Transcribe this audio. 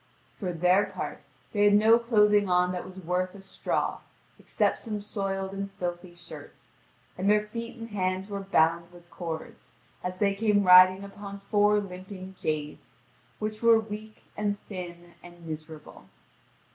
For their part they had no clothing on that was worth a straw, except some soiled and filthy shirts: and their feet and hands were bound with cords, as they came riding upon four limping jades, which were weak, and thin, and miserable.